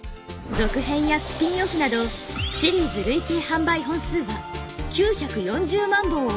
続編やスピンオフなどシリーズ累計販売本数は９４０万本を数える。